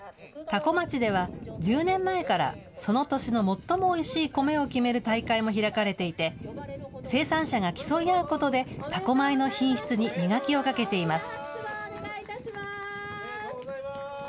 多古町では１０年前から、その年の最もおいしいコメを決める大会も開かれていて、生産者が競い合うことで、多古米の品質に磨きをかけています。